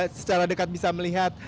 secara dekat bisa melihat